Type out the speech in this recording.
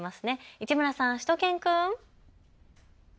市村さん、しゅと犬くん。